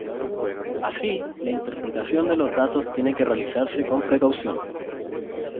Así, la interpretación de los datos tiene que realizarse con precaución.